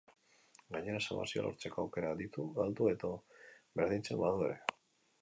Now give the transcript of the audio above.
Gainera, salbazioa lortzeko aukerak ditu galdu edo berdintzen badu ere.